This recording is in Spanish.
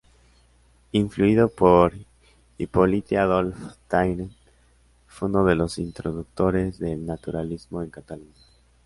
Influido por Hippolyte-Adolphe Taine, fue uno de los introductores del naturalismo en Cataluña.